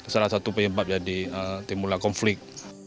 salah satu penyebab jadi timbullah konflik